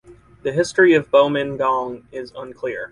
The history of Bo Min Gaung is unclear.